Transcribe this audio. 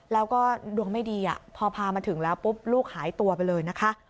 แล้วก็ดวงไม่ดีพอพามาถึงแล้วปุ๊บลูกหายตัวไปเลยนะคะ